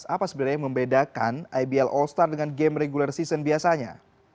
apa sebenarnya yang membedakan ibl all star dengan game regular season biasanya